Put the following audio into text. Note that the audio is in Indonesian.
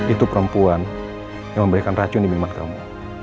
itu perempuan yang memberikan racun di minuman kamu